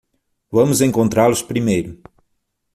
Vamos encontrá-los primeiro.